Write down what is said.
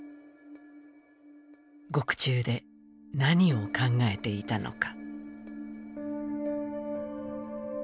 獄中で、何を考えていたのか。